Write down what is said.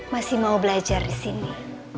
masih mau belajar disini